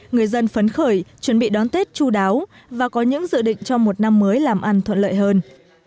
người dân phấn khởi chuẩn bị đón tết chú đáo và có những dự định cho một năm mới làm ăn thuận lợi hơn